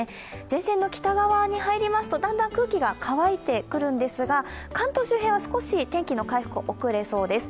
前線の北側に入りますとだんだん空気が乾いてくるんですが関東周辺は少し天気の回復遅れそうです。